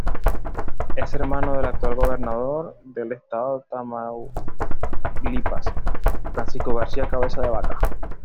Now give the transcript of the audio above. Es hermano del actual gobernador del estado de Tamaulipas, Francisco García Cabeza de Vaca.